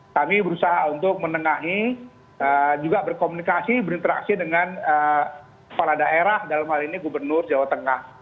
kami berusaha untuk menengahi juga berkomunikasi berinteraksi dengan kepala daerah dalam hal ini gubernur jawa tengah